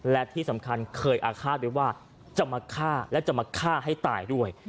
และที่สำคัญเคยอาฆาตไว้ว่าจะมาฆ่าและจะมาฆ่าให้ตายด้วย